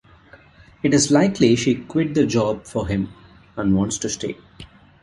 It is likely she quit the job for him and wants to stay.